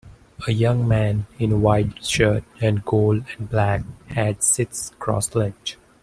A young man in a white shirt and gold and black hat sits cross legged.